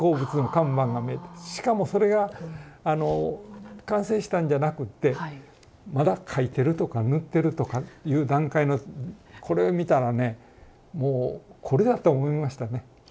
しかもそれが完成したんじゃなくってまだ描いてるとか塗ってるとかいう段階のこれを見たらねもう「これだ！」と思いましたね。